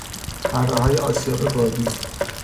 پرههای آسیاب بادی